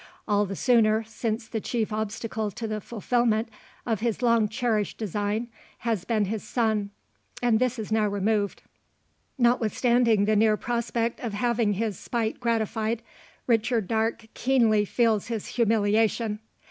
All the sooner, since the chief obstacle to the fulfilment of his long cherished design has been his son, and this is now removed. Notwithstanding the near prospect of having his spite gratified, Richard Darke keenly feels his humiliation.